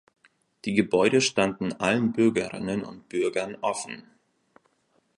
Die Gebäude standen allen Bürgerinnen und Bürgern offen.